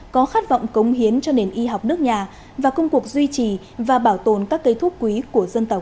có khát vọng cống hiến cho nền y học nước nhà và công cuộc duy trì và bảo tồn các cây thuốc quý của dân tộc